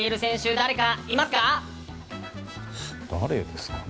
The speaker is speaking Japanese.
誰ですかね。